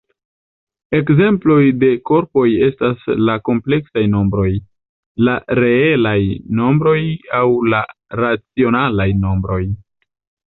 Ekzemploj de korpoj estas la kompleksaj nombroj, la reelaj nombroj aŭ la racionalaj nombroj.